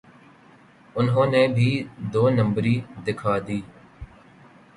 انہوں نے بھی دو نمبری دکھا دی۔